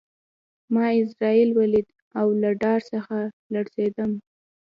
ما عزرائیل ولید او له ډار څخه لړزېدم